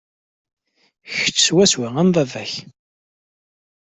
Kečč swaswa am baba-k.